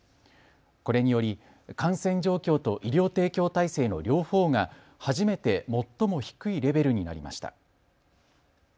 これにより感染状況と医療提供体制の両方が初めて最も低いレベルになりました。